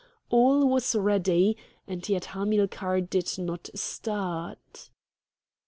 All was ready, and yet Hamilcar did not start.